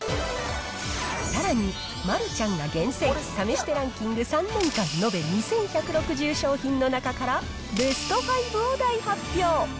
さらに、丸ちゃんが厳選、試してランキング３年間、延べ２１６０商品の中からベスト５を大発表。